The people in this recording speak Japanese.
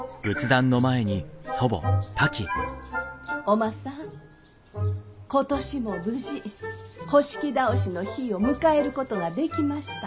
おまさん今年も無事倒しの日を迎えることができました。